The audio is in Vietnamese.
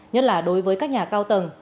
nhất là đối với các nhà cao tầng